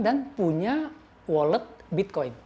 dan punya wallet bitcoin